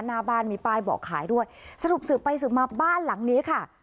หน้าบ้านมีป้ายบอกขายด้วยสรุปสืบไปสืบมาบ้านหลังนี้ค่ะ